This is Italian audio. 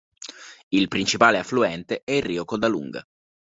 Il principale affluente è il rio Codalunga.